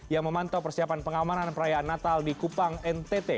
yang memantau persiapan pengamanan perayaan natal di kupang ntt